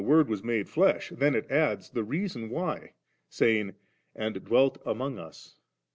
Word was made flesh V ^en it adds the reason why, saying, ^ And dwelt among us.